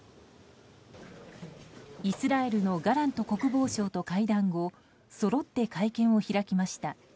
イスラエルのガラント国防相と会談後そろって会見を開きました。